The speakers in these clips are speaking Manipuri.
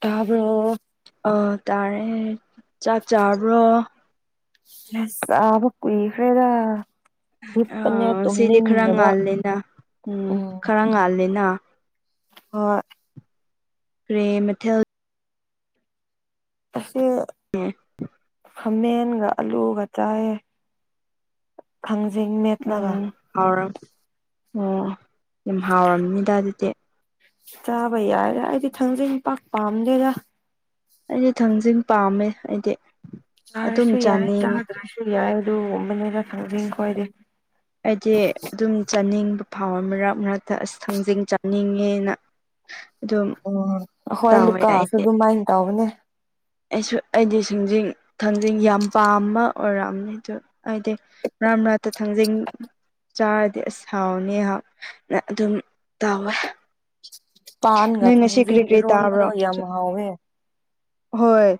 ꯇꯥꯕ꯭ꯔꯣ ꯑ ꯇꯥꯔꯦ ꯆꯥꯛ ꯆꯥꯕ꯭ꯔꯣ ꯍꯁ ꯑꯕ ꯀꯏ ꯐꯦꯔ ꯍꯞꯄꯅ ꯁꯤꯗꯤ ꯈꯔ ꯇꯨꯝꯅꯤꯡꯗꯕ ꯉꯥꯜꯂꯦꯅ ꯎꯝ ꯈꯔ ꯉꯥꯜꯂꯦꯅ ꯍ ꯀ꯭ꯔꯦ ꯃꯊꯦꯜ ꯑꯁꯤ ꯈꯥꯃꯦꯟꯒ ꯑꯂꯨꯒ ꯆꯥꯌꯦ ꯐꯪ ꯖꯤꯡ ꯃꯦꯠꯂꯒ ꯎꯝ ꯍꯥꯎꯔ ꯑꯣ ꯌꯥꯝ ꯍꯥꯎꯔꯝꯅꯤꯗ ꯑꯗꯨꯗꯤ꯫ ꯆꯥꯕ ꯌꯥꯏꯔ ꯑꯩꯗꯤ ꯈꯪꯗꯦ ꯄꯥꯛ ꯄꯥꯝꯗꯦꯗ꯫ ꯑꯩꯗꯤ ꯊꯪꯖꯤꯡ ꯄꯥꯝꯃꯦ ꯑꯩꯗꯤ꯫ ꯑꯗꯨꯝ ꯆꯥꯔꯁꯨ ꯌꯥꯏ ꯆꯥꯅꯤꯡꯉꯦ ꯆꯥꯗ꯭ꯔꯁꯨ ꯌꯥꯏ ꯑꯗꯨ ꯑꯣ ꯃꯅꯦ ꯂ ꯊꯪꯗ ꯀꯋꯥꯏꯗꯦ ꯑꯩꯗꯤ ꯑꯗꯨꯝ ꯆꯥꯅꯤꯡꯕ ꯐꯥꯎꯕ ꯃꯔꯛ ꯃꯔꯛꯇ ꯑꯁ ꯈꯪꯖꯤꯡ ꯆꯥꯅꯤꯡꯉꯦꯅ [unintelligible] ꯎ ꯍꯣꯏ ꯇꯥꯎꯋꯦ ꯂꯨꯀꯁꯨ ꯑꯩꯗꯤ ꯑꯗꯨꯃꯥꯏꯅ ꯇꯧꯕꯅꯦ ꯑꯩꯁꯨ ꯑꯩꯗꯤ ꯁꯤꯡꯖꯤꯡ ꯊꯥꯡꯖꯤꯡ ꯌꯥꯝ ꯄꯥꯝꯕ ꯑꯣꯏꯔꯛꯑꯅꯤ ꯑꯗꯨ ꯑꯩꯗꯤ ꯔꯥꯝ ꯔꯠꯇ ꯊꯥꯡꯖꯤꯡ ꯆꯥꯔꯗꯤ ꯑꯁ ꯍꯥꯎꯅꯤꯍꯥꯛꯅ ꯑꯗꯨꯝ ꯇꯧꯋꯦ ꯄꯥꯟꯒ ꯊꯖ ꯇꯥꯕ꯭ꯔꯣ ꯏꯔꯣꯟꯕꯗꯣ ꯌꯥꯝ ꯍꯥꯎꯋꯦ ꯍꯣꯏ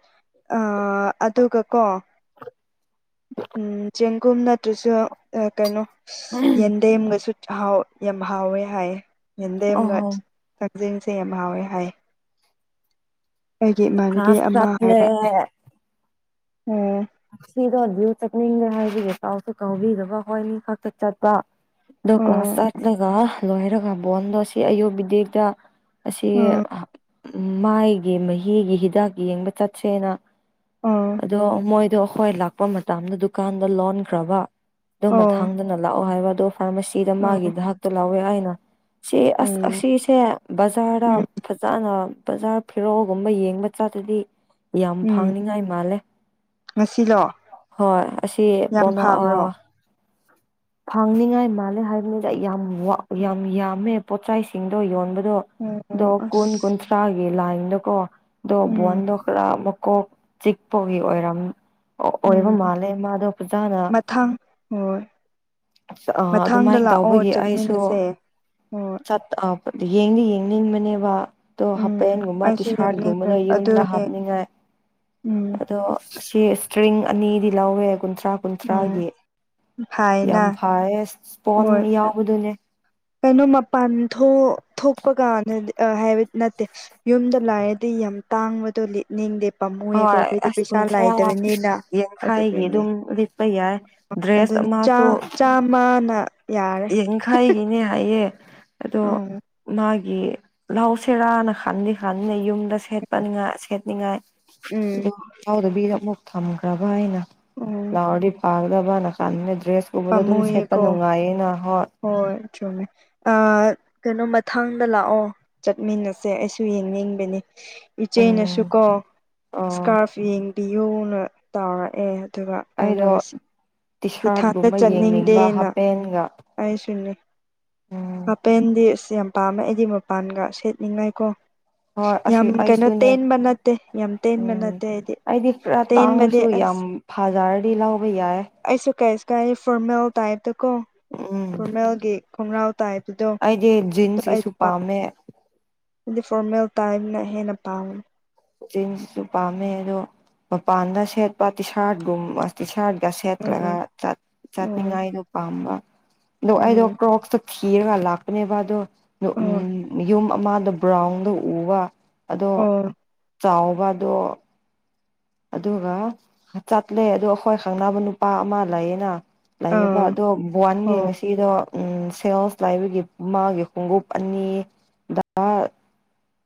ꯑꯥ ꯑꯗꯨꯒꯀꯣ ꯎꯝ ꯆꯦꯡꯒꯨꯝ ꯅꯠꯇ꯭ꯔꯁꯨ ꯑ ꯀꯩꯅꯣ ꯑꯁ ꯌꯦꯟꯗꯦꯝꯒꯁꯨ ꯍꯥꯎ ꯌꯥꯝ ꯍꯥꯎꯋꯦ ꯍꯥꯏꯌꯦ ꯌꯦꯟꯗꯦꯝꯒ ꯑꯣ ꯖꯤꯡꯁꯦ ꯌꯥꯝ ꯍꯥꯎꯋꯦ ꯍꯥꯏ꯫ ꯑꯩꯒꯤ ꯏꯃꯥꯟꯅꯕꯤ ꯀ꯭ꯂꯥꯁ ꯑꯃ ꯆꯠꯂꯦ ꯍꯥꯏꯔꯛꯑꯦ꯫ ꯑꯣ ꯁꯤꯗ ꯌꫭ ꯆꯠꯅꯤꯡꯗꯦ ꯍꯥꯏꯕꯤꯒ ꯄꯥꯎꯁꯨ ꯀꯥꯎꯤꯗꯕ ꯍꯣꯏꯅꯤ ꯈꯛꯠ ꯆꯠꯄ ꯑꯗꯣ ꯑꯣ ꯀ꯭ꯂꯥꯁ ꯆꯠꯂꯒ ꯂꯣꯏꯔꯒ ꯕꯣꯟꯗꯣ ꯑꯁꯤ ꯑꯌꯨꯛ ꯕꯤꯗꯦꯛꯇ ꯑꯁꯤ ꯎꯝ ꯃꯥꯏꯒꯤ ꯃꯍꯤꯒꯤ ꯍꯤꯗꯥꯛ ꯌꯦꯡꯕ ꯆꯠꯁꯦꯅ ꯑꯣ ꯑꯗꯣ ꯃꯣꯏꯗꯣ ꯑꯈꯣꯏ ꯂꯥꯛꯄ ꯃꯇꯝꯗ ꯗꯨꯀꯥꯟꯗ ꯂꯣꯟꯈ꯭ꯔꯕ꯫ ꯑꯗꯨ ꯑꯣ ꯃꯊꯥꯡꯗꯅ ꯂꯥꯛꯑꯣ ꯍꯥꯏꯕ ꯑꯗꯣ ꯐꯥꯔꯃꯥꯁꯤꯗ ꯎꯝ ꯃꯥꯒꯤ ꯍꯥꯛꯇꯣ ꯂꯥꯛꯋꯦ ꯍꯥꯏꯅ ꯁꯤ ꯑꯁ ꯎꯝ ꯑꯁꯤꯁꯦ ꯕꯖꯥꯔꯗ ꯎꯝ ꯐꯖꯅ ꯕꯖꯥꯔ ꯐꯤꯔꯣꯜꯒꯨꯝꯕ ꯌꯦꯡꯕ ꯆꯠꯂꯗꯤ ꯌꯥꯝ ꯎꯝ ꯐꯥꯡꯅꯤꯉꯥꯏ ꯃꯥꯜꯂꯦ꯫ ꯉꯁꯤꯂꯣ ꯍꯣꯏ ꯑꯁꯤ ꯌꯥꯝ ꯄꯣꯅ ꯐꯕ꯭ꯔꯣ ꯑꫭ ꯐꯪꯅꯤꯡꯉꯥꯏ ꯃꯥꯜꯂꯦ ꯍꯥꯏꯕꯅꯤꯗ ꯌꯥꯝ ꯋꯥ ꯌꯥꯝ ꯌꯥꯝꯃꯦ ꯄꯣꯠꯆꯥꯏꯁꯤꯡꯗꯣ ꯌꯣꯟꯕ ꯗꯣ ꯗꯣ ꯑꯣ ꯀꯨꯟ ꯑꯁ ꯀꯨꯟꯊ꯭ꯔꯥꯒꯤ ꯂꯥꯏꯟꯗꯀꯣ ꯗꯣ ꯎꯝ ꯕꫭꯟꯗꯣ ꯈꯔ ꯃꯨꯛ ꯀꯣꯛ ꯆꯤꯛꯄꯒꯤ ꯑꯣꯏꯔꯝ ꯑꯣ ꯑꯣꯏꯕ ꯎꯝ ꯃꯥꯜꯂꯦ ꯃꯥꯗꯣ ꯐꯖꯥꯅ ꯃꯊꯪ ꯍꯣꯏ ꯑꯁ ꯑ ꯃꯊꯪꯗ ꯑꯗꯨꯃꯥꯏꯅ ꯂꯥꯛꯑꯣ ꯇꯧꯕꯒꯤ ꯑꯩꯁꯨ ꯆꯠꯃꯤꯟꯅꯁꯦ ꯍꯣꯏ ꯆꯠ ꯑ ꯄ ꯌꯦꯡꯗꯤ ꯌꯦꯡꯅꯤꯡꯕꯅꯦꯕ꯫ ꯇꯣ ꯎꯝ ꯍꯥꯄꯦꯟꯒꯨꯝꯕ ꯇꯤ ꯑꯩꯁꯨ ꯌꯦꯡꯅꯤꯡꯈ꯭ꯔꯦ ꯁꯥꯔꯠꯒꯨꯝꯕꯗ ꯌꯨꯝꯗ ꯑꯗꯨꯅꯦ ꯍꯥꯞꯅꯤꯡꯉꯥꯏ꯫ ꯎꯝ ꯑꯗꯣ ꯁꯤ ꯁꯇ꯭ꯔꯤꯡ ꯑꯅꯤꯗꯤ ꯂꯧꯋꯦ ꯀꯨꯟꯊ꯭ꯔꯥ ꯎꯝ ꯀꯨꯟꯊ꯭ꯔꯥꯒꯤ ꯐꯥꯏꯅ ꯌꯥꯝ ꯐꯥꯌꯦ꯫ ꯄꯣꯟ ꯍꯣꯏ ꯌꯥꯎꯕꯗꯨꯅꯦ ꯀꯩꯅꯣ ꯃꯄꯥꯟ ꯊꯣꯛ ꯊꯣꯛꯄ ꯀꯥꯟꯗ ꯍꯥꯏꯕꯗꯤ ꯅꯠꯇꯦ ꯌꯨꯝꯗ ꯂꯥꯏꯔꯗꯤ ꯌꯥꯝ ꯇꯥꯡꯕꯗꯣ ꯂꯤꯠꯅꯤꯡꯗꯦ꯫ ꯄꯥꯝꯃꯨꯑꯦꯀꯣ ꯍꯣꯏ ꯑꯩꯈꯣꯏꯗꯤ ꯑꯁ ꯄꯩꯁꯥ ꯀꯨꯟꯊ꯭ꯔꯥ ꯂꯥꯏꯗꯕꯅꯤꯅ ꯌꯥꯡꯈꯥꯏꯒꯤ ꯑꯗꯨꯒꯤꯅꯦ ꯑꯗꯨꯝ ꯂꯤꯠꯄ ꯌꯥꯏ ꯑꯗꯨ ꯗ꯭ꯔꯦꯁ ꯆꯥ ꯆꯥꯃꯅ ꯌꯦꯡꯈꯥꯏꯒꯤꯅꯦ ꯍꯥꯏꯌꯦ ꯑꯗꯣ ꯎꯝ ꯃꯥ ꯒꯤ ꯂꯧ ꯁꯦꯔꯥꯅ ꯈꯟꯗꯤ ꯈꯟꯅꯤ ꯌꯨꯝꯗ ꯁꯦꯠꯄꯅꯤꯉꯥꯏ ꯁꯦꯠꯅꯤꯡꯉꯥꯏ꯫ ꯎꯝ ꯥꯎꯗꯕꯤꯗ ꯑꯃꯨꯛ ꯊꯝꯈ꯭ꯔꯕ ꯑꯩꯅ ꯎꯝ ꯂꯥꯎꯔꯗꯤ ꯄꯥꯒꯗ ꯏꯕꯥꯥꯟꯅ ꯀꯥꯟꯗꯅ ꯗ꯭ꯔꯦꯁꯀꯨꯝꯕꯗ ꯑꯗꯨꯝ ꯁꯦꯠꯄ ꯄꯥꯝꯃꯨꯌꯦꯀꯣ ꯅꯨꯡꯉꯥꯏꯌꯦꯅ꯫ ꯍꯣꯏ꯫ ꯑ ꯀꯩꯅꯣ ꯃꯊꯥꯡꯗ ꯂꯥꯛꯑꯣ ꯆꯠꯃꯤꯟꯅꯁꯦ ꯑꯩꯁꯨ ꯌꯦꯡꯅꯤꯡꯕꯅꯦ꯫ ꯏꯆꯦꯩꯅꯁꯨ ꯎꯝ ꯀꯣ ꯑꯣ ꯏꯁꯀꯥꯔꯐ ꯌꯦꯡꯕꯤꯌꯨꯅ ꯇꯧꯔꯛꯑꯦ ꯑꯗꯨꯒ ꯑꯩꯅ ꯑꯩꯗꯣ ꯉꯁꯤ ꯇꯤ ꯏꯊꯥꯗ ꯁꯥꯔꯠꯒꯨꯝꯕ ꯌꯦꯡꯅꯤꯡꯕ ꯆꯠꯅꯤꯡꯗꯦꯅ ꯍꯥꯞꯄꯦꯟꯒ ꯑꯁꯨꯅ ꯎꯝ ꯍꯥꯄꯗꯤꯁ ꯌꯥꯝ ꯄꯥꯝꯃꯦ ꯑꯩꯗꯤ ꯃꯄꯥꯟꯒ ꯁꯦꯠꯅꯤꯡꯉꯥꯏ ꯀꯣ ꯍꯣꯏ ꯑꯁꯤ ꯌꯥꯝ ꯀꯩꯅꯣ ꯑꯩꯁꯨꯅꯦ ꯇꯦꯟꯕ ꯅꯠꯇꯦ ꯌꯥꯝ ꯇꯦꯟꯕ ꯎꯝ ꯅꯠꯇꯦ ꯍꯥꯏꯗꯤ ꯇꯦꯟꯕꯗꯤ ꯑꯁ ꯐꯥꯖꯔꯗꯤ ꯂꯧꯕ ꯌꯥꯏ ꯑꯩꯁꯨ ꯀꯩꯁꯨ ꯀꯥꯏ ꯐꯣꯔꯃꯦꯜ ꯇꯥꯏꯞꯇ ꯀꯣ ꯎꯝ ꯐꯣꯔꯃꯦꯜꯒꯤ ꯈꯣꯡꯒ꯭ꯔꯥꯎ ꯇꯕꯗꯣ ꯑꯩꯗꯤ ꯑꯩ ꯖꯤꯟꯁꯀꯤꯁꯨ ꯄꯥꯝꯃꯦ ꯑꯗꯨꯗꯤ ꯐꯣꯔꯃꯦꯜ ꯇꯥꯏꯝꯅ ꯍꯦꯟꯅ ꯄꯥꯝꯅꯤ ꯖꯤꯟꯁꯁꯨ ꯄꯥꯝꯃꯦ ꯑꯗꯣ ꯃꯄꯥꯟꯗ ꯁꯦꯠꯄ ꯇꯤꯁꯥꯔꯠꯒꯨꯝꯕ ꯇꯤꯁꯥꯔꯠ ꯒ ꯎꯝ ꯁꯦꯠꯂꯒ ꯆꯥꯠꯅꯤꯡꯉꯥꯏꯗꯣ ꯄꯥꯝꯕ ꯗꫭ ꯑꯩꯗꯣ ꯀ꯭ꯔꯣꯛꯁꯇꫭ ꯊꯤꯔꯒ ꯂꯥꯛꯄꯅꯦꯕꯗ ꯎꯝ ꯌꯨꯝ ꯃꯥꯗ ꯕ꯭ꯔꯥꯎꯟꯗꯣ ꯎꯕꯥ ꯑꯣ꯫ ꯆꯥꯎꯕꯗꯣ ꯑꯗꯨꯒ ꯆꯠꯂꯦ ꯑꯗꯨ ꯑꯩꯈꯣꯏ ꯈꯪꯅꯕ ꯅꯨꯄꯥ ꯑꯃ ꯂꯩꯌꯦꯅ꯫ ꯂꯩꯌꯦꯕ ꯑꯗꯣ ꯕꫭꯟꯒꯤ ꯉꯁꯤꯗꯣ ꯎꯝ ꯁꯦꯜꯐ ꯂꯕꯒꯤ ꯃꯥꯒꯤ ꯈꯣꯡꯎꯞ ꯑꯅꯤ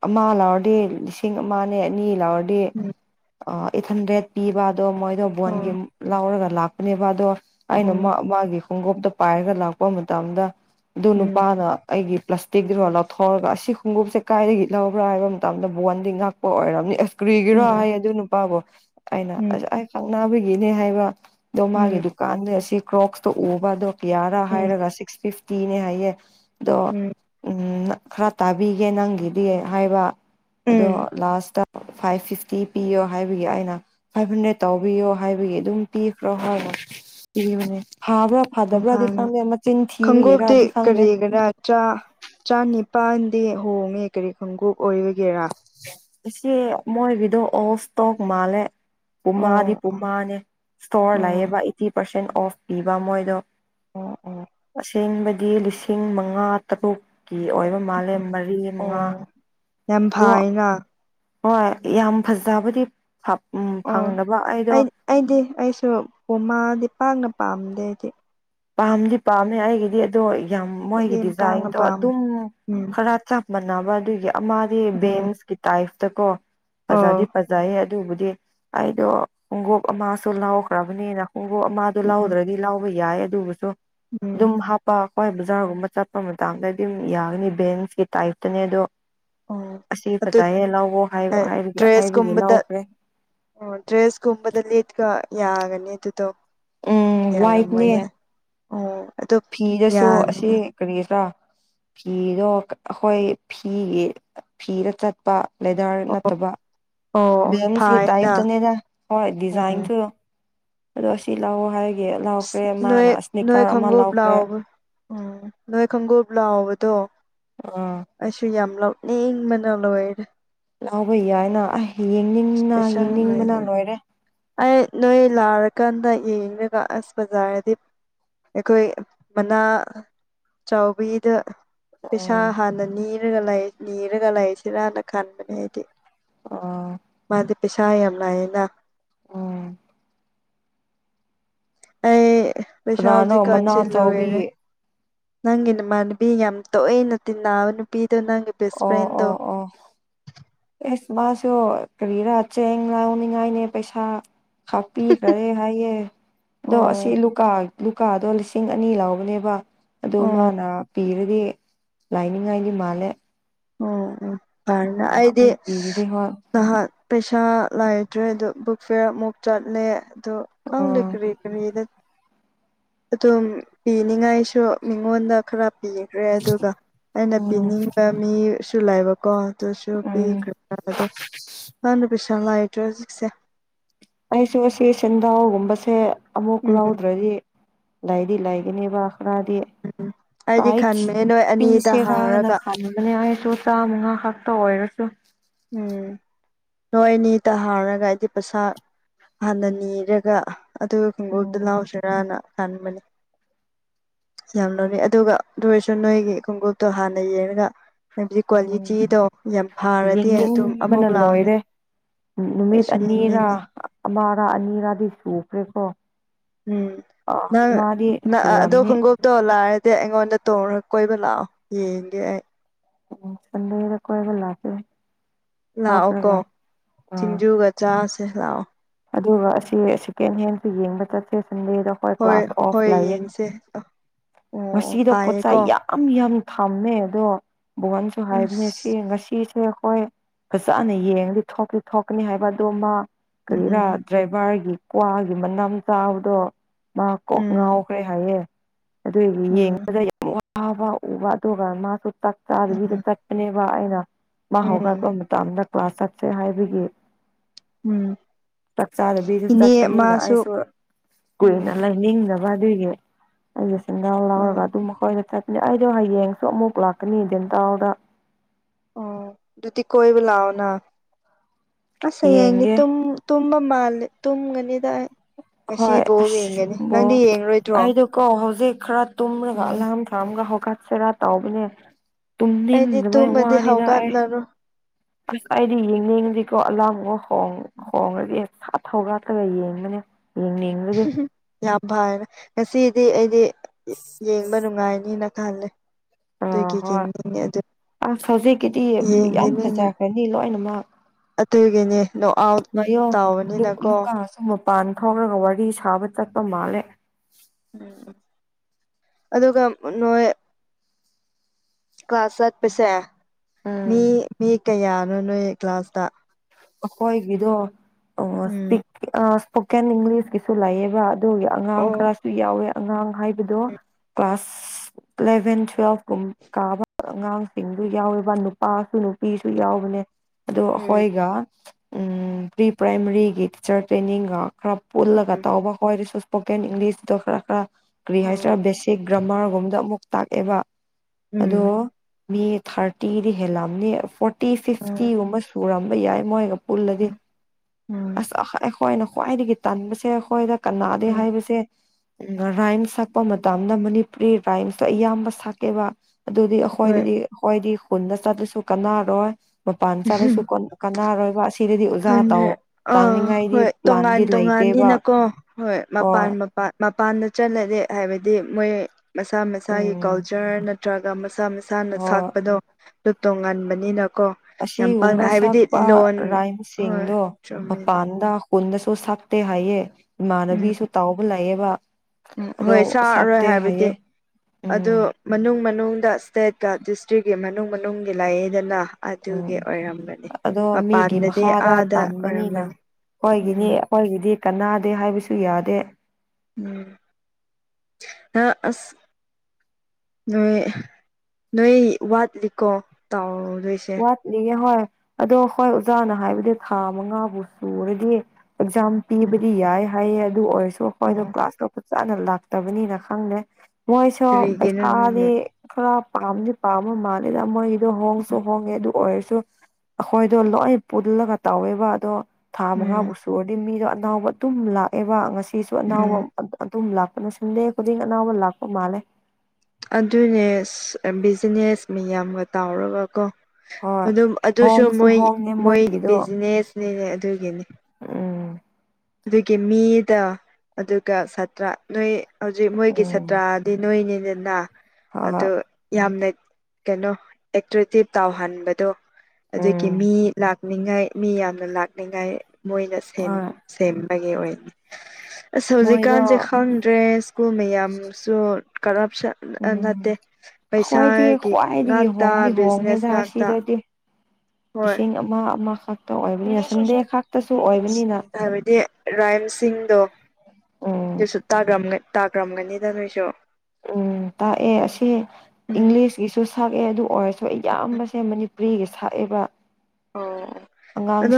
ꯑꯃ ꯂꯥꯎꯔꯗꯤ ꯂꯤꯁꯤꯡ ꯑꯃꯅꯦ ꯑꯅꯤ ꯂꯥꯎꯔꯗꯤ ꯑꯩꯠ ꯍꯟꯗ꯭ꯔꯦꯗ ꯄꯤꯕ ꯑꯗꯣ ꯃꯣꯏꯗꯣ ꯕꯣꯟꯒꯤ ꯂꯥꯎꯔꯒ ꯂꯥꯛꯄꯅꯦꯕ ꯑꯗꯣ ꯑꯩꯅ ꯃꯥꯒꯤ ꯈꯣꯡꯎꯣꯞꯇ ꯄꯥꯏꯔꯒ ꯂꯥꯛꯄ ꯃꯇꯝꯗ ꯑꯗꯨ ꯅꯨꯄꯥꯅ ꯑꯩꯒꯤ ꯄ꯭ꯂꯥꯁꯇꯤꯛꯇꯗꯨ ꯂꯧꯊꯣꯛꯑꯒ ꯑꯁꯤ ꯈꯣꯡꯎꯞꯁꯦ ꯀꯥꯏꯏꯗꯒꯤ ꯂꯧꯕ꯭ꯔꯥ ꯍꯥꯏꯕ ꯃꯇꯝꯗ ꯕꯣꯟꯗꯤ ꯉꯥꯛꯄ ꯑꯣꯏꯔꯝꯅꯤ ꯑꯁ ꯀ꯭ꯔꯤꯒꯤꯔꯣ ꯍꯥꯏ ꯑꯗꯨ ꯅꯨꯄꯥꯕꯨꯣ ꯑꯩꯅ ꯑꯁ ꯑꯩ ꯈꯪꯅꯥꯅꯕꯒꯤꯅꯦ ꯍꯥꯏꯕ ꯑꯗꯣ ꯃꯥꯒꯤ ꯗꯨꯀꯥꯟꯗ ꯑꯁꯤ ꯀ꯭ꯔꯣꯛꯁꯇꯣ ꯎꯕ ꯑꯗꯣ ꯀꯌꯥꯔ ꯍꯥꯏꯔꯒ ꯁꯤꯛꯁ ꯐꯤꯐ ꯇꯤꯅꯦ ꯍꯥꯏꯌꯦꯦ ꯑꯗꯣ ꯎꯝ ꯈꯔ ꯇꯥꯕꯤꯒꯦ ꯅꯪꯒꯤꯗꯤ ꯍꯥꯏꯕ ꯑꯗꯣ ꯂꯥꯁꯇ ꯐꯥꯏꯚ ꯐꯤꯐꯇꯤ ꯄꯤꯌꯣ ꯍꯥꯏꯕꯒꯤ ꯑꯩꯅ ꯐꯥꯏꯚ ꯍꯟꯗ꯭ꯔꯦꯠ ꯇꯧꯕꯤꯌꯣ ꯍꯥꯏꯕꯒꯤ ꯑꯗꯨꯝ ꯄꯤꯈ꯭ꯔꯣ ꯍꯥꯏꯕ ꯄꯤꯕꯅꯦ ꯐꯥꯕ꯭ꯔꯥ ꯝ ꯐꯗꯕ꯭ꯔꯥꯗꯤ ꯐꯥꯅꯤꯦ ꯈꯪꯗꯦ ꯃꯆꯤꯟ ꯈꯪꯉꯣꯞꯇ ꯊꯤꯕꯒꯤꯔꯗꯤ ꯈꯪꯗꯦ ꯀꯔꯤꯒꯅ ꯆꯥꯅꯤ ꯄꯥꯟꯗꯤ ꯍꯣꯡꯉꯤ ꯀꯔꯤ ꯈꯣꯡꯎꯞ ꯑꯣꯏꯕꯒꯦꯔꯥ ꯁꯤ ꯃꯣꯏꯕꯤꯙ ꯑꯣꯁ ꯃꯥꯜꯦ ꯄꯨꯃꯥꯗꯤ ꯑꯣ ꯄꯨꯃꯥꯅꯦ ꯏꯁꯇꯣꯔ ꯑꯣ ꯂꯩꯌꯦꯕ ꯑꯩꯠꯇꯤ ꯄꯥꯔꯁꯦꯟ ꯑꯣꯐ ꯄꯤꯕ ꯃꯣꯏꯗꯣ ꯑꯣ ꯑꯣ ꯑꯁꯦꯡꯕꯗꯤ ꯂꯤꯁꯤꯡ ꯃꯉꯥ ꯇꯔꯨꯛ ꯀꯤ ꯑꯣꯏꯕ ꯃꯥꯜꯂꯦ ꯃꯔꯤ ꯃꯉꯥ ꯑꯗꯣ ꯌꯥꯝꯐꯥꯏꯅ ꯍꯣꯏ ꯌꯥꯝ ꯐꯖꯕꯗꯤ ꯎꯝ ꯑꯣ ꯐꯪꯗꯕ ꯑꯩꯗꯣ ꯑꯩ ꯑꯩꯗꯤ ꯑꯩꯁꯨ ꯎꯃꯥꯗꯤ ꯄꯥꯛꯅ ꯄꯥꯝꯗꯦꯗꯤ ꯄꯥꯝꯗꯤ ꯄꯥꯝꯃꯦ ꯑꯩꯒꯤꯗꯤ ꯑꯗꯣ ꯌꯥꯝ ꯑꯩꯗꯤ ꯃꯣꯏꯒꯤ ꯌꯥꯝ ꯄꯥꯛꯅ ꯗꯤꯖꯥꯏꯟꯗꯣ ꯄꯥꯝꯃꯦ ꯑꯗꯨꯝ ꯎꯝ ꯈꯔ ꯆꯞ ꯃꯥꯟꯅꯕ ꯑꯗꯨꯒꯤ ꯑꯃꯗꯤ ꯎꯝ ꯕꯦꯝꯁꯀꯤ ꯇꯥꯏꯞꯇ ꯀꯣ ꯐꯖꯥꯗꯤ ꯑꯣ ꯐꯖꯩꯌꯦ ꯑꯗꯨꯕꯨꯗꯤ ꯑꯩꯗꯣ ꯍꯣꯡꯒꯞ ꯑꯃꯁꯨ ꯂꯥꯎꯈ꯭ꯔꯕꯅꯤꯅ ꯎꯣꯡꯕꯨꯣꯛ ꯑꯃꯗꯣ ꯎꯝ ꯂꯥꯎꯗ꯭ꯔꯗꯤ ꯂꯥꯎꯕ ꯌꯥꯏ ꯑꯗꯨꯕꯨꯁꯨ ꯎꯝ ꯑꯗꯨꯝ ꯍꯥꯞꯄ ꯍꯣꯏ ꯕꯖꯥꯔꯒꯨꯝꯕ ꯆꯠꯄ ꯃꯇꯥꯡꯗꯗꯤ ꯑꯗꯨꯝ ꯌꯥꯒꯅꯤ ꯕꯦꯟꯁꯀꯤ ꯇꯥꯏꯞꯇꯅꯦ ꯑꯗꯣ ꯑꯣ ꯑꯁꯤ ꯑꯗꯨ ꯐꯖꯩꯍꯦ ꯂꯥꯎꯑꯣꯣꯕ ꯍꯣꯏ ꯍꯥꯏꯕꯒꯤ ꯗ꯭ꯔꯦꯁꯀꯨꯝꯕꯗ ꯂꯥꯎꯈ꯭ꯔꯦ ꯑꯣ ꯗ꯭ꯔꯦꯁ ꯀꯨꯝꯕꯗꯤ ꯏꯠꯒ ꯌꯥꯒꯅꯤ ꯑꯗꯨꯗꯣ ꯎꯝ ꯌꯥꯔꯃ ꯋꯥꯏꯠꯅꯦ ꯌꯥꯏ ꯑꯣ ꯑꯗꯨ ꯐꯤꯗꯁꯨ ꯑꯁꯤ ꯌꯥꯅꯤꯅ ꯀꯔꯤꯌꯦꯇ꯭ꯔꯥ ꯐꯤꯗꯣ ꯑꯩꯈꯣꯏ ꯐꯤꯒꯤ ꯐꯤꯗ ꯆꯠꯄ ꯂꯩꯗꯥꯔ ꯑꯣ ꯅꯠꯇꯕ ꯑꯣ ꯝꯁꯀꯤ ꯐꯥꯏꯅ ꯇꯥꯏꯞꯇꯅꯤꯅ ꯍꯣꯏ ꯎꯝ ꯗꯤꯖꯥꯏꯟꯁꯨ ꯑꯣ ꯑꯁꯤ ꯂꯥꯛꯑꯣ ꯍꯥꯏꯔꯒꯦ ꯌꯦ ꯂꯧꯈ꯭ꯔꯦ ꯅꯣꯏ ꯃꯥꯅ ꯅꯣꯏ ꯏꯁꯅꯤꯀꯔ ꯑꯃ ꯈꯣꯡꯎꯞ ꯂꯧꯈ꯭ꯔꯦ ꯂꯥꯎꯕ ꯎꯝ ꯅꯣꯏ ꯈꯣꯡꯎꯞ ꯂꯥꯎꯕꯗꯣ ꯑꯥ ꯑꯩꯁꯨ ꯌꯥꯝ ꯂꯥꯎ ꯅ ꯏ ꯃꯅ ꯂ ꯑꯣꯏꯔꯦ ꯂꯥꯎꯕ ꯌꯥꯏꯅ ꯑ ꯌꯦꯡꯅꯤꯡꯅ ꯄꯩꯁꯥ ꯌꯦꯡꯅꯤꯡꯕꯅ ꯂꯩꯔꯦ ꯂꯣꯏꯔꯦ ꯑꯩ ꯅꯣꯏ ꯂꯥꯛꯔꯀꯥꯟꯗ ꯌꯦꯡꯒ ꯑꯁ ꯕꯖꯥꯔꯗꯤ ꯑꯩꯈꯣꯏ ꯃꯅꯥ ꯆꯥꯎꯕꯤꯗ ꯄꯩꯁꯥ ꯎꯝ ꯍꯥꯟꯅ ꯅꯤꯔꯒ ꯂꯩ ꯅꯤꯔꯒ ꯂꯩꯔꯤꯁꯤꯔꯅ ꯈꯟꯕꯅꯦ ꯍꯥꯏꯗꯤ ꯑ ꯄꯩꯁꯥ ꯌꯥꯝ ꯂꯥꯛꯑꯌꯦꯦꯅ ꯎꯝ ꯑꯦ ꯀꯅꯥꯅꯣ ꯃꯅꯥ ꯄꯩꯁꯖꯤꯀꯥꯆ ꯆꯥꯎꯕꯤ ꯂꯣꯋꯦꯔꯦ ꯅꯪꯒꯤꯅ ꯃꯅꯕꯤ ꯌꯥꯝ ꯇꯣꯏꯅ ꯇꯤꯟꯅꯕ ꯅꯨꯄꯤ ꯅꯦ ꯦꯁ ꯐ꯭ꯔꯦꯟꯗ ꯑꯦ ꯃꯥꯁꯨꯣ ꯀꯔꯤꯔꯥ ꯆꯦꯡ ꯂꯅꯤꯡꯉꯥꯏꯅꯦ ꯄꯩꯁꯥ ꯍꯥꯥꯄꯤꯈ꯭ꯔꯔꯦ ꯍꯥꯏꯌꯦꯦ ꯑꯗꯣ ꯑꯣ ꯑꯁꯤ ꯂꯨꯀꯥ ꯂꯨꯀꯥꯗꯣ ꯂꯤꯁꯤꯡ ꯑꯅꯤ ꯂꯥꯎꯕꯅꯦꯕ ꯑꯗꯣ ꯑꯣ ꯃꯥꯅ ꯄꯤꯔꯗꯤ ꯂꯥꯏꯅꯤꯡꯉꯥꯏꯗꯤ ꯃꯥꯜꯂꯦ ꯑꯣ ꯀꯅ ꯑꯗꯨꯅ ꯑꯩꯗꯤ ꯑꯃꯨꯛ ꯄꯤꯔꯗꯤ ꯍꯣꯏ ꯆ ꯄꯦꯁꯥ ꯂ ꯠꯇ꯭ꯔꯦ ꯑꯗꯣ ꯕꯨꯛ ꯐꯤꯌꯔ ꯑꯃꯨꯛ ꯆꯠꯂꯦ ꯑꯗꯣ ꯈꯪꯗꯦ ꯎꯝ ꯀꯔꯤ ꯀꯔꯤꯗ ꯑꯗꯨꯝ ꯄꯤꯅꯤꯡꯉꯥꯏꯁꯨ ꯃꯤꯉꯣꯟꯗ ꯈꯔ ꯄꯤꯈ꯭ꯔꯦ ꯑꯗꯨꯒ ꯑꯩꯅ ꯎꯝ ꯄꯤꯅꯤꯡꯕ ꯃꯤꯁꯨ ꯂꯩꯕꯀꯣ ꯑꯗꯨꯁꯨ ꯎꯝ ꯄꯤꯈ꯭ꯔ ꯑꯗꯣ ꯃꯥꯪꯅ ꯄꯩꯁꯥ ꯂꯥꯏꯗ꯭ꯔꯦ ꯍꯧꯖꯤꯛꯁꯦ ꯑꯩꯁꯨ ꯑꯁꯤ ꯁꯦꯟꯗꯥꯥꯎꯒꯨꯝꯕꯁꯦ ꯑꯃꯨꯛ ꯎꯝ ꯂꯧꯗ꯭ꯔꯗꯤ ꯂꯩꯥꯏꯗꯤ ꯂꯩꯏꯒꯅꯦꯕꯈꯔꯥꯗꯤ ꯎꯝ ꯑꯩꯗꯤ ꯄꯥꯏꯠ ꯈꯟꯕꯅꯦ ꯅꯣꯏ ꯑꯅꯤꯗ ꯄꯤꯁꯦꯔ ꯅ ꯍꯥꯡꯔꯒ ꯈꯟꯕꯅꯦ ꯑꯩꯁꯨ [unintelligible] ꯇ ꯑꯣꯏꯔꯁꯨ ꯎꯝ ꯅꯣꯏꯅꯤ ꯇ ꯍꯥꯎꯔꯒ ꯑꯩꯗꯤ ꯄꯩꯁꯥ ꯍꯥꯟꯅ ꯅꯤꯔꯒ ꯑꯗꯨꯒ ꯈꯣꯡꯎꯣꯞꯇ ꯎꯝ ꯂꯥꯎꯁꯤꯔꯅ ꯈꯟꯕꯅꯦ ꯌꯥꯝ ꯂꯧꯅꯤ ꯑꯗꯨꯒ ꯑꯗꯨꯣꯏꯔꯁꯨ ꯅꯣꯏꯒꯤ ꯈꯣꯡꯎꯞꯇꯣ ꯍꯥꯟꯅ ꯌꯦꯡꯉꯒ ꯍꯥꯏꯕꯗꯤ ꯀ꯭ꯋꯥꯂꯤꯇꯤꯗꯣ ꯌꯥꯝ ꯐꯥꯔꯗꯤ ꯑꯗꯨꯝ ꯑꯃꯨꯛ ꯂꯤꯡꯕꯅ ꯂꯥꯎꯅꯤ ꯂꯣꯏꯔꯦ ꯅꯨꯃꯤꯠ ꯑꯩꯁꯨ ꯑꯅꯤꯔꯥ ꯌꯦꯡꯅꯤꯡꯉꯦ ꯕꯥꯔꯥ ꯑꯅꯤꯔꯥꯗꯤ ꯁꯨꯈ꯭ꯔꯦꯀꯣ ꯎꯝ ꯑ ꯃꯥꯗꯤ ꯅꯪ ꯑꯗꯣ ꯁꯨꯔꯝꯅꯤ ꯈꯣꯡꯎꯣꯞꯇꯧꯂꯩꯔ ꯑꯩꯉꯣꯟꯗ ꯇꯣꯡꯉꯒ ꯀꯣꯏꯕ ꯂꯥꯛꯑꯣ ꯌꯦꯡꯒꯦ ꯑꯩ ꯑꯟꯗꯔꯣꯗ ꯀꯣꯏꯕ ꯂꯛꯀꯦ ꯂꯥꯛꯑꯣ ꯀꯣ ꯁꯤꯡꯖꯨꯒ ꯆꯥꯁꯦ ꯂꯥꯛꯑꯣ ꯑꯗꯨꯒ ꯑꯁꯤ ꯁꯦꯀꯦꯟ ꯍꯦꯟꯁꯨ ꯌꯦꯡꯕ ꯆꯠꯁꯦ ꯗꯦꯗ ꯑꯩꯈꯣꯏ ꯍꯣꯏ ꯀ꯭ꯂꯥꯁ ꯑꯣꯐ ꯍꯣꯏ ꯂꯩꯌꯦ ꯌꯦꯡꯁꯦ ꯑꯣ ꯉꯁꯤꯗꯧ ꯄꯣꯠꯆꯩ ꯐꯥꯏꯌꯦꯀꯣ ꯌꯥꯝ ꯌꯥꯝ ꯈꯝꯃꯦ ꯑꯗꯣ ꯕꯣꯍꯟꯁꯨ ꯍꯥꯏꯕꯅꯦ ꯆꯦ ꯑꯁ ꯉꯁꯤ ꯁꯦ ꯍꯣꯏ ꯐꯖꯅ ꯌꯦꯡꯉꯗꯤ ꯊꯣꯛꯇ ꯊꯣꯛꯀꯅꯤ ꯍꯥꯏꯕ ꯑꯗꯨꯝ ꯃꯥ ꯀꯔꯤꯔꯥ ꯎꯝ ꯗ꯭ꯔꯥꯏꯚꯔꯒꯤ ꯀ꯭ꯋꯥꯒꯤ ꯃꯅꯝ ꯆꯥꯕꯗꯣ ꯃꯥ ꯀꯣꯛ ꯎꯝ ꯉꯥꯎꯈ꯭ꯔꯦ ꯍꯥꯏꯌꯦ ꯑꯗꯨꯏꯒꯤ ꯎꯝ ꯌꯦꯡꯕꯗ ꯌꯥꯝ ꯋꯥꯏ ꯋꯥꯥ ꯋꯥ ꯎ ꯋꯥꯗꯧꯒ ꯃꯥꯁꯨ ꯆꯥꯛ ꯆꯥꯗꯕꯤꯗ ꯎꯝ ꯆꯠꯄꯅꯦ ꯑꯦꯅꯥ ꯃꯥ ꯍꯧꯒꯠꯄ ꯎꯝ ꯃꯇꯝꯗ ꯀ꯭ꯂꯥꯁ ꯆꯠꯁꯦ ꯍꯥꯏꯕꯒꯤ ꯎꯝ ꯆꯥꯛꯆꯥꯥꯗꯕꯤꯁꯨ ꯏꯅꯦ ꯆꯠꯄꯅꯤꯅ ꯃꯥꯁꯨ ꯑꯩꯁꯨ ꯀꯨꯏꯅ ꯎꯝ ꯂꯩꯅꯤꯡꯗꯕ ꯑꯗꯨꯏꯒꯤ ꯑꯩꯒꯤ ꯁꯦꯟꯗꯜ ꯂꯥꯎꯔꯒ ꯑꯣ ꯑꯗꯨꯝ ꯃꯈꯣꯏꯗ ꯆꯠ ꯑꯩꯗꯣ ꯍꯌꯦꯡꯁꯨ ꯑꯃꯨꯛ ꯂꯥꯛꯀꯅꯤ ꯗꯦꯟ ꯇꯥꯜꯗ ꯑꯣ ꯑꯗꯨꯗꯤ ꯀꯣꯏꯕ ꯂꯥꯑꯣꯅ ꯑꯁ ꯍꯥꯌꯦꯡꯗꯤ ꯌꯦꯡꯒꯦ ꯇꯨ ꯇꯨꯝ ꯃꯥꯜ ꯇꯨꯝꯒꯅꯤ ꯗ ꯉꯁꯤ ꯍꯣꯏ ꯕꯣꯜ ꯑꯁ ꯌꯦꯡꯒꯅꯤ ꯕꯣꯜ ꯅꯪꯗꯤ ꯌꯦꯡꯔꯣꯏꯗ꯭ꯔꯣ ꯑꯩꯗꯣꯀꯣ ꯍꯧꯖꯤꯛ ꯈꯔ ꯇꯨꯝꯔꯒ ꯎꯝ ꯑꯂꯥꯝ ꯊꯥꯔꯝꯒ ꯍꯧꯀꯠ ꯁꯦꯔꯥ ꯇꯥꯎꯕꯅꯦ ꯑꯩꯗꯤ ꯇꯨꯡꯅꯤꯡꯗꯅꯕ ꯇꯨꯝꯃꯗꯤ ꯋꯥꯅꯤ ꯂꯥꯛꯑꯦ ꯍꯧꯒꯠꯂꯔꯣꯏ ꯑꯁ ꯑꯩꯗꯤ ꯌꯦꯡꯅꯤꯡꯉꯗꯤꯀꯣ ꯑꯂꯥꯝꯒ ꯍꯣꯡ ꯍꯣꯡꯉꯒꯦ ꯍꯥꯊꯧꯒ ꯌꯦꯡꯃꯅꯦ ꯌꯥꯝ ꯐꯔꯅ ꯉꯁꯤꯗꯤ ꯑꯩꯗꯤ ꯌꯦꯡꯕ ꯅꯨꯡꯉꯥꯏ ꯅ ꯈꯜꯂꯦ ꯑꯥ ꯍꯣꯏ ꯑꯗꯨꯒꯤꯒꯤꯅꯦ ꯑꯗꯨ ꯑꯁ ꯍꯧꯖꯤꯛꯀꯤꯗꯤ ꯌꯥꯝ ꯌꯦꯡꯒꯅꯤꯅ ꯐꯖꯈ꯭ꯔꯅꯤ ꯂꯣꯏꯅꯃꯛ ꯑꯗꯨꯒꯤꯅꯦ ꯅꯣꯛ ꯑꯥꯎꯠ ꯉꯥꯏꯌꯣ ꯂꯨ ꯇꯥꯎꯕꯅꯤꯅꯀꯣ ꯂꯨꯀ ꯁꯨꯝꯃ ꯄꯥꯟ ꯊꯣꯛꯑꯒ ꯋꯥꯔꯤ ꯁꯥꯕ ꯆꯠꯄ ꯃꯥꯜꯂꯦ ꯎꯝ ꯑꯗꯨꯒ ꯅꯣꯏ ꯀ꯭ꯂꯥꯁ ꯆꯠꯄꯁꯦ ꯃꯤ ꯎꯝ ꯃꯤ ꯀꯌꯥꯅꯣ ꯅꯣꯏ ꯀ꯭ꯂꯥꯁꯇ ꯑꯩꯈꯣꯏꯒꯤꯗꯣ ꯎꯝ ꯏꯁꯄꯣꯀꯦꯟ ꯏꯪꯂꯤꯁꯀꯤꯁꯨ ꯂꯩꯑꯦꯕ ꯑꯗꯨꯒꯤ ꯑꯉꯥꯡ ꯑꯣ ꯈꯔꯁꯨ ꯌꯥꯎꯋꯦ ꯑꯉꯥꯡ ꯍꯥꯏꯕꯗꯣ ꯎꯝ ꯀ꯭ꯂꯥꯁ [inaudible] ꯑꯦꯂꯦꯚꯦꯟ ꯇꯨꯋꯦꯜꯐ ꯀꯨꯝ ꯀꯥꯕ ꯑꯉꯥꯡꯁꯤꯡꯗꯨ ꯌꯥꯎꯋꯦꯕ ꯅꯨꯄꯥꯁꯨ ꯅꯨꯄꯤꯁꯨ ꯌꯥꯎꯕꯅꯦ ꯗꯨ ꯎꯝ ꯑꯩꯈꯣꯏꯒ ꯄ꯭ꯔꯤ ꯄ꯭ꯔꯥꯏꯃꯔꯤꯒꯤ ꯇꯤꯆꯔ ꯇ꯭ꯔꯦꯅꯤꯡꯒ ꯈꯔ ꯄꯨꯜꯂꯒ ꯇꯧꯕ ꯍꯣꯏꯔꯁꯨ ꯏꯁꯄꯣꯀꯦꯟ ꯏꯪꯂꯤꯁꯇꯣ ꯈꯔ ꯈꯔ ꯀꯔꯤ ꯍꯥꯏꯁꯤꯔꯥ ꯕꯦꯁꯤꯛ ꯒ꯭ꯔꯥꯃꯔꯒꯨꯝꯗ ꯑꯃꯨꯛ ꯇꯥꯛꯑꯦꯕ ꯑꯗꯣ ꯎꯝ ꯃꯤ ꯊꯥꯔꯇꯤꯗꯤ ꯍꯦꯜꯂꯝꯛꯑꯕꯅꯤ ꯐꯣꯔꯇꯤ ꯑꯣ ꯐꯤꯐꯇꯤꯒꯨꯝꯕ ꯁꯨꯔꯝꯕ ꯌꯥꯏ ꯃꯣꯏꯒ ꯄꯨꯜꯂꯗꯤ ꯑꯁ ꯑꯩꯈꯣꯏꯅ ꯈ꯭ꯋꯥꯏꯗꯒꯤ ꯇꯟꯕꯁꯦ ꯑꯩꯈꯣꯏꯗ ꯀꯅꯥꯗꯦ ꯎꯝ ꯍꯥꯏꯕꯁꯦ ꯔꯥꯏꯝꯁ ꯁꯛꯄ ꯃꯇꯝꯗ ꯃꯅꯤꯄꯨꯔꯤ ꯔꯥꯏꯝꯁꯇꯣ ꯑꯌꯥꯝꯕ ꯁꯛꯀꯦꯕ ꯑꯗꯨꯗꯤ ꯍꯣꯏ ꯑꯩꯈꯣꯏꯗꯗꯤ ꯑꯩꯈꯣꯏꯗꯤ ꯈꯨꯟꯗ ꯆꯠꯂꯁꯨ ꯀꯥꯟꯅꯥꯔꯣꯏ ꯃꯄꯥꯟ ꯆꯠꯂꯁꯨ ꯀ ꯅꯥꯔꯣꯏꯕ ꯑꯁꯤ ꯈꯪꯗ꯭ꯔꯦ ꯑꯥ ꯍꯣꯏ ꯇꯣꯉꯥꯟ ꯄ꯭ꯂꯥꯟꯗꯤ ꯂꯩꯇꯦꯕ ꯇꯣꯉꯥꯟꯅꯤꯅꯀꯣ ꯍꯣꯏ ꯃꯄꯥꯟ ꯃꯄꯥꯟ ꯃꯄꯥꯟꯗ ꯆꯠꯂꯔꯦ ꯍꯥꯏꯕꯗꯤ ꯃꯣꯏ ꯃꯁꯥ ꯃꯁꯥꯒꯤ ꯎꯝ ꯀꯜꯆꯔ ꯅꯠꯇ꯭ꯔꯒ ꯃꯁꯥ ꯃꯁꯥ ꯏꯁꯥꯅ ꯍꯣꯏ ꯁꯛꯄꯗꯣ ꯂ ꯇꯣꯡꯉꯥꯟꯕꯅꯤꯅ ꯑꯁꯤꯒꯨꯝꯕ ꯁꯥꯄ ꯍꯣꯏ ꯔꯥꯏꯝꯁꯤꯡꯗꯣ ꯆꯨꯝꯃꯤꯗꯤ ꯃꯄꯥꯟꯗ ꯁ꯭ꯀꯨꯟꯗꯁꯨ ꯁꯛꯇꯦ ꯍꯥꯏꯌꯦ ꯎꯝ ꯏꯃꯥꯟꯅꯕꯤꯁꯨ ꯇꯥꯎꯕ ꯂꯩꯑꯦꯕ ꯎꯝ ꯍꯣꯏ ꯆꯥꯔꯔꯣꯏ ꯍꯥꯏꯕꯗꯤ ꯑꯗꯨ ꯎꯝ ꯃꯅꯨꯡ ꯃꯅꯨꯡꯗ ꯏꯁꯇꯦꯠ ꯗꯤꯁꯇ꯭ꯔꯤꯛꯀꯤ ꯃꯅꯨꯡ ꯃꯅꯨꯡꯒꯤ ꯂꯥꯏꯌꯦꯡꯗꯅ ꯎꯝ ꯑꯗꯨꯒꯤ ꯑꯣꯏꯔꯝꯕꯅꯤ ꯑꯗꯣ ꯃꯤꯒꯤ ꯃꯄꯥꯟꯗꯗꯤ ꯃꯈꯥꯗ ꯑꯥꯗ ꯇꯝꯕꯅꯤꯅ ꯑꯣꯏꯔꯝꯒꯅꯤ ꯑꯩꯈꯣꯏꯒꯤꯅꯤ ꯎꯝ ꯑꯩꯈꯣꯏꯒꯤꯗꯤ ꯀꯥꯟꯅꯥꯗꯦ ꯍꯥꯏꯕꯁꯨ ꯌꯥꯗꯦ ꯎꯝ ꯑ ꯑꯁ ꯅꯣꯏꯣꯏ ꯅꯣꯏꯣꯏ ꯋꯥꯠ ꯂꯤꯀꯣ ꯇꯥꯎ ꯋꯥꯠꯂꯤꯌꯦꯦ ꯍꯣꯏ ꯑꯗꯣ ꯍꯣꯏ ꯑꯣꯖꯥꯅ ꯍꯥꯏꯕꯗꯤ ꯊꯥ ꯃꯉꯥꯕꯨ ꯁꯨꯔꯗꯤ ꯑꯦꯛꯖꯥꯝ ꯄꯤꯕꯗꯤ ꯌꯥꯏ ꯍꯥꯏꯌꯦ ꯑꯗꯨ ꯑꯣꯏꯔꯁꯨ ꯑꯩꯈꯣꯏꯗ ꯑꯣ ꯀ꯭ꯂꯥꯁꯇ ꯆꯥꯅ ꯂ ꯇꯕꯅꯤꯅ ꯈꯪꯗꯦ ꯃꯣꯏꯁꯨ ꯀꯔꯤꯒꯤꯅꯣ ꯄꯩꯁꯥꯗꯤ ꯅꯣꯏꯅꯦ ꯈꯔ ꯄꯥꯝꯅꯤ ꯄꯥꯝ ꯃꯥꯅꯤꯗ ꯃꯣꯏ ꯏꯣ ꯍꯣꯡ ꯁꯨ ꯍꯣꯡꯉꯦ ꯑꯗꯨ ꯑꯣꯏꯔꯁꯨ ꯑꯩꯈꯣꯏꯗꯣ ꯂꯣꯏ ꯄꯨꯜꯂꯒ ꯇꯧꯋꯦꯕ ꯑꯗꯣ ꯊꯥ ꯎꯝ ꯃꯉꯥꯕꯨꯥꯎꯛ ꯁꯨꯔꯗꯤ ꯃꯤꯗꯣ ꯑꯅꯥꯎꯕ ꯑꯗꯨꯝ ꯂꯥꯛꯑꯦꯕ ꯉꯁꯤꯁꯨ ꯑꯅꯥꯎꯕ ꯎꯝ ꯑꯗꯨꯝ ꯂꯥꯛꯄ ꯑꯗꯣ ꯁꯟꯗꯦ ꯈꯨꯗꯤꯡ ꯑꯅꯥꯕ ꯂꯥꯛꯄ ꯃꯥꯜꯂꯦ ꯑꯗꯨꯅꯦ ꯕꯤꯖꯤꯅꯦꯁ ꯃꯤꯌꯥꯝꯒ ꯇꯥꯎꯔꯒ ꯀꯣ ꯍꯣꯏ ꯑꯗꯨꯝ ꯑꯗꯨꯁꯨ ꯍꯣꯡꯁꯨ ꯃꯣꯏ ꯍꯣꯡꯉꯦ ꯃꯣꯏ ꯃꯣꯏꯒꯤꯗꯣ ꯕꯤꯖꯤꯅꯦꯁꯅꯤꯅꯦ ꯑꯗꯨꯒꯤꯅꯤ [unintelligible] ꯎꯝ ꯑꯗꯨꯒꯤ ꯃꯤꯗ ꯑꯗꯨꯒ ꯁꯥꯇ꯭ꯔ ꯅꯣꯏ ꯍꯧꯖꯤꯛ ꯃꯣꯏꯒꯤ ꯎꯝ ꯁꯥꯇ꯭ꯔꯗꯤ ꯅꯣꯏꯅꯤꯅꯤꯅ ꯍꯣꯏ ꯑ ꯍꯣꯏ ꯌꯥꯝꯅ ꯀꯩꯅꯣ ꯑꯦꯛꯇ꯭ꯔꯦꯛꯇꯤꯞ ꯇꯧꯍꯟꯕꯗꯣ ꯑꯗꯨꯒꯤ ꯎꯝ ꯃꯤ ꯂꯥꯛ ꯂꯥꯛꯅꯤꯡꯉꯥꯏ ꯃꯤ ꯌꯥꯝꯅ ꯂꯥꯛꯅꯤꯡꯉꯥꯏ ꯃꯣꯏꯅ ꯁꯦꯝꯦꯟ ꯍꯣꯏ ꯑꯁ ꯃꯣꯏꯗꯣ ꯍꯧꯖꯤꯛꯀꯥꯟꯁꯦ ꯈꯪꯗ꯭ꯔꯦ ꯁ꯭ꯀꯨꯜ ꯃꯌꯥꯝꯁꯨ ꯀꯔꯞꯁꯟ ꯎꯝ ꯅꯠꯇꯦ ꯈ꯭ꯋꯥꯏꯗꯤ ꯄꯩꯁꯥꯒꯤ ꯈ꯭ꯋꯥꯏꯗꯒꯤ ꯉꯥꯛꯇ ꯍꯣꯡꯗꯤ ꯕꯤꯖꯤꯅꯦꯁ ꯍꯣꯡꯉꯦꯗ ꯉꯥꯛꯇ ꯁꯤꯗꯗꯤ ꯂꯤꯁꯤꯡ ꯑꯃ ꯑꯃ ꯑꯣꯏꯕꯅꯤꯅ ꯎꯕꯗꯤ ꯔꯥꯏꯝꯁꯤꯡꯗꯣ ꯎꯝ ꯑꯗꯨꯁꯨ ꯇ ꯇꯥꯈ꯭ꯔꯝꯒꯅꯤꯗ ꯅꯣꯏꯁꯨ ꯎꯝ ꯇꯥꯛꯑꯦ ꯑꯁꯤ ꯎꯝ ꯏꯪꯂꯤꯁꯀꯤꯁꯨ ꯁꯛꯑꯦ ꯑꯗꯨ ꯑꯣꯏꯔꯁꯨ ꯑꯩꯌꯥꯝꯕꯁꯦ ꯃꯅꯤꯄꯨꯔ ꯕ꯭ꯔꯤꯒ ꯁꯛꯑꯦꯕ ꯑꯣ ꯑꯉꯥꯡ ꯑꯗꯣ